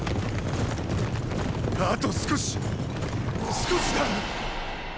あと少し少しだ！